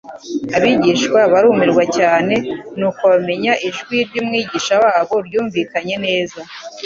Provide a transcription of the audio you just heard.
Abigishwa barumirwa cyane. Nuko bamenya ijwi ry'Umwigisha wabo ryumvikanye neza,